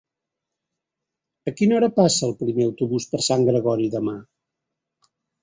A quina hora passa el primer autobús per Sant Gregori demà?